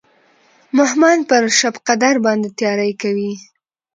مهمند پر شبقدر باندې تیاری کوي.